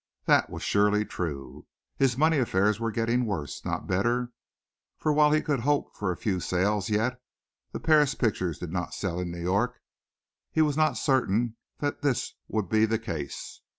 That was surely true. His money affairs were getting worse, not better, for while he could hope for a few sales yet (the Paris pictures did not sell in New York) he was not certain that this would be the case.